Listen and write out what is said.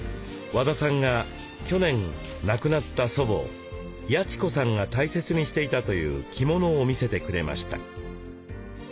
和田さんが去年亡くなった祖母八千子さんが大切にしていたという着物を見せてくれました。